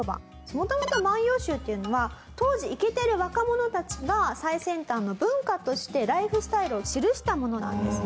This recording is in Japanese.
元々『万葉集』っていうのは当時イケてる若者たちが最先端の文化としてライフスタイルを記したものなんですね。